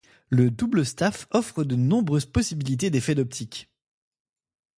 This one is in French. Le double-staff offre de nombreuses possibilités d’effets d’optique.